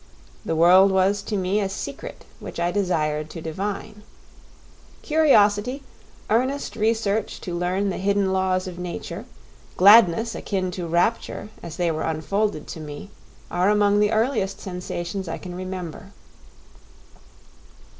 The world was to me a secret which I desired to divine. Curiosity, earnest research to learn the hidden laws of nature, gladness akin to rapture, as they were unfolded to me, are among the earliest sensations I can remember.